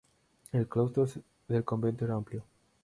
El claustro del convento era amplio.